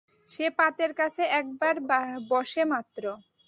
সে পাতের কাছে একবার বসে মাত্র!